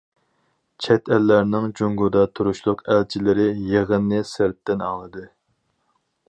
چەت ئەللەرنىڭ جۇڭگودا تۇرۇشلۇق ئەلچىلىرى يىغىننى سىرتتىن ئاڭلىدى.